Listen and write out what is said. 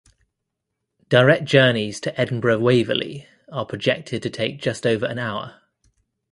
Direct journeys to Edinburgh Waverley are projected to take just over an hour.